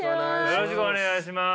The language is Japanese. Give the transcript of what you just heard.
よろしくお願いします。